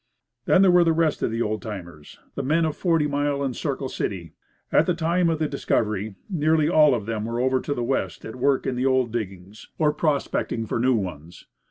Then there were the rest of the old timers, the men of Forty Mile and Circle City. At the time of the discovery, nearly all of them were over to the west at work in the old diggings or prospecting for new ones.